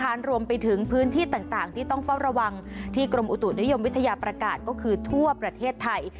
รวมไปถึงพื้นที่ต่างที่ต้องเฝ้าระวังที่กรมอุตุนิยมวิทยาประกาศก็คือทั่วประเทศไทย